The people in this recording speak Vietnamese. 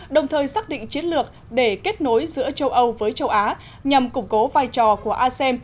đồng thời xác định chiến lược để kết nối giữa châu âu với châu á nhằm củng cố vai trò của asem